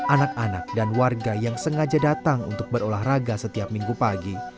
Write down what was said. anak anak dan warga yang sengaja datang untuk berolahraga setiap minggu pagi